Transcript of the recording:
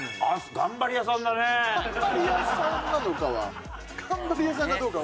頑張り屋さんかどうかは。